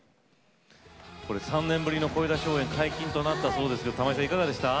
これ３年ぶりの声出し応援解禁となったそうですけど玉井さんいかがでした？